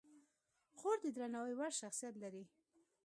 خور د درناوي وړ شخصیت لري.